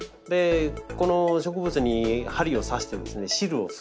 この植物に針を刺してですね汁を吸うんですね。